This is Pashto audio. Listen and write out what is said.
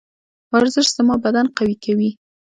ورزش زما بدن قوي کوي.